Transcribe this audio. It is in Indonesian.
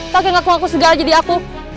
pakai ngaku ngaku segala jadi aku